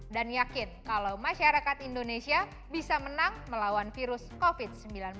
dan yakin kalau masyarakat indonesia bisa menang melawan virus covid sembilan belas